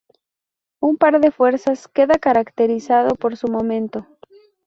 Un par de fuerzas queda caracterizado por su momento.